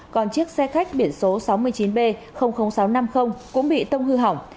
còn chiếc xe khách biển số sáu mươi chín b sáu năm mươi cũng bị tâm hư hỏng